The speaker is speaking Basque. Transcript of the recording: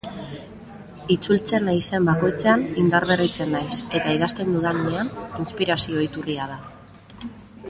Itzultzen naizen bakoitzean indarberritzen naiz eta idazten dudanean inspirazio iturri da.